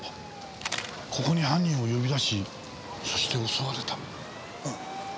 ここに犯人を呼び出しそして襲われた。